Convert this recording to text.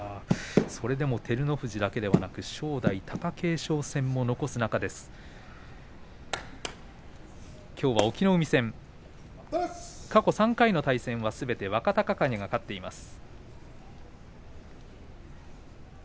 それでも照ノ富士だけではなく正代、貴景勝戦も残す中できょう隠岐の海戦過去３回の対戦はすべて若隆景が勝っています。